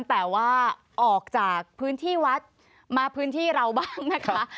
แต่ว่าออกจากพื้นที่วัดมาพื้นที่เราบ้างนะคะ